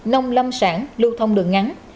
nông lâm sản lưu thông đường ngắn